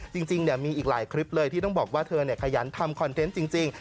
จริงมีอีกหลายคลิปเลยที่ต้องบอกว่าเธอขยันทำคอนเทนต์จริง